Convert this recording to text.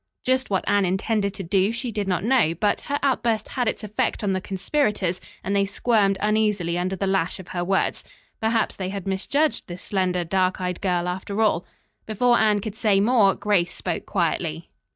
Just what Anne intended to do she did not know, but her outburst had its effect on the conspirators, and they squirmed uneasily under the lash of her words. Perhaps, they had misjudged this slender, dark eyed girl after all. Before Anne could say more, Grace spoke quietly.